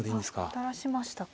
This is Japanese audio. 垂らしましたか。